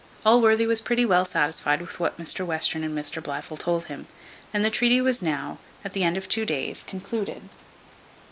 Allworthy was pretty well satisfied with what Mr Western and Mr Blifil told him: and the treaty was now, at the end of two days, concluded.